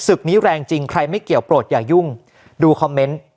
นี้แรงจริงใครไม่เกี่ยวโปรดอย่ายุ่งดูคอมเมนต์